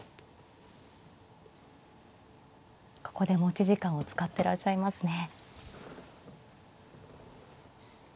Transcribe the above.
ここで持ち時間を使ってらっしゃいますね。